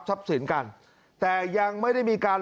สินกันแต่ยังไม่ได้มีการ